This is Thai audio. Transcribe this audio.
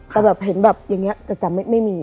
แต่เห็นแบบอย่างนี้จัดไม่มี